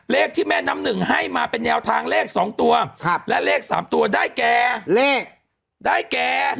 เลขที่แม่น้ำหนึ่งให้มาเป็นแนวทางเลข๒ตัวและเลข๓ตัวได้แก่เลขได้แก่